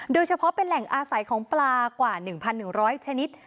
โดยเฉพาะเป็นแหล่งอาศัยของปลากว่า๑๑๐๐ชนิด